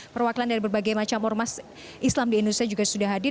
perwakilan dari berbagai macam ormas islam di indonesia juga sudah hadir